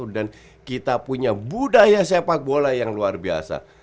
dan kita punya budaya sepak bola yang luar biasa